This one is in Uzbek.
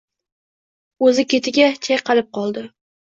O’zi ketiga chalqayib qoldi!